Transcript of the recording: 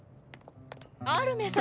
アルメ様！